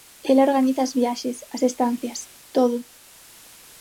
Ela organiza as viaxes, as estancias, todo.